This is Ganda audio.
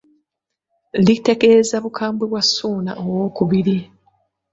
Litegeeza bukambwe bwa Ssuuna II.